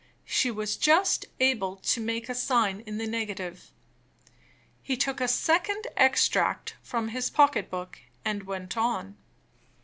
She was just able to make a sign in the negative. He took a second extract from his pocket book, and went on.